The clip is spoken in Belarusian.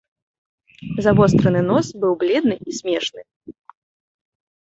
Завостраны нос быў бледны і смешны.